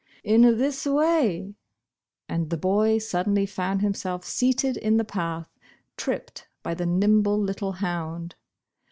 "In this way," and the boy suddenly found himself seated in the path tripped by the nim ble little hound